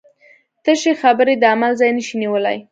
تشې خبرې د عمل ځای نشي نیولی.